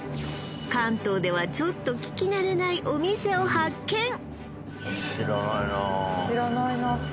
関東ではちょっと聞きなれないお店を発見